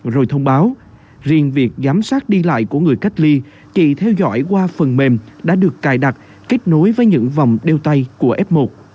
rồi thông báo riêng việc giám sát đi lại của người cách ly chị theo dõi qua phần mềm đã được cài đặt kết nối với những vòng đeo tay của f một